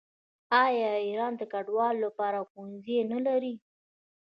آیا ایران د کډوالو لپاره ښوونځي نلري؟